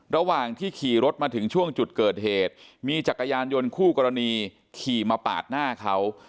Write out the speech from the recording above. ระหว่างที่ขี่รถมาถึงช่วงจุดเกิดเหตุมีจักรยานยนต์คู่กรณีขี่มาปาดหน้าเขา